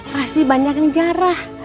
pasti banyak yang jarah